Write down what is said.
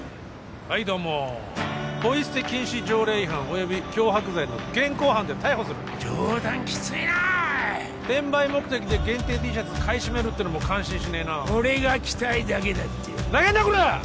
はいどうもポイ捨て禁止条例違反および脅迫罪の現行犯で逮捕する冗談きついなおい転売目的で限定Ｔシャツ買い占めるってのも感心しねえな俺が着たいだけだってふざけんなこらっ！